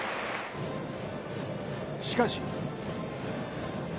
しかし。